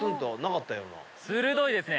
鋭いですね。